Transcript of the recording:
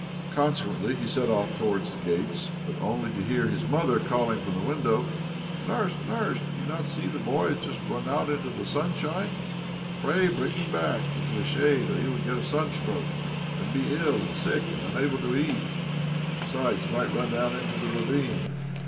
Consequently he set off towards 94 OBLOMOV the gates— but only to hear his mother calling from a window —" Nurse, nurse, do you not see that the boy has just run out into the sunshine ? Pray bring him back into the shade, or he will get a sunstroke, and be ill, and sick, and unable to eat ! Besides, he might run down into the ravine